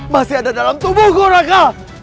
masih ada dalam tubuhku raka